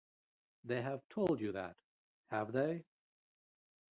They have told you that, have they?